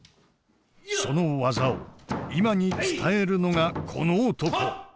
その技を今に伝えるのがこの男！